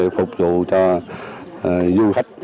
phục vụ cho du khách